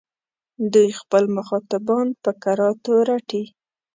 دوی خپل مخاطبان په کراتو رټي.